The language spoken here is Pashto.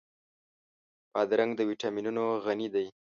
بادرنګ له ويټامینونو غني دی.